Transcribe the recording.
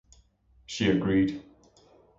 She agreed.